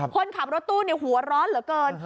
คนขับรถตู้หัวร้อนเหลือเกิน